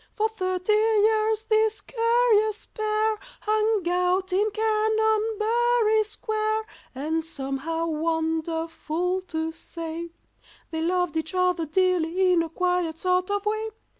For thirty years this curious pair Hung out in Canonbury Square, And somehow, wonderful to say, They loved each other dearly in a quiet sort of way.